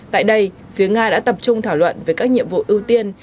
tại đây phía nga đã tập trung thảo luận về các nhiệm vụ ưu tiên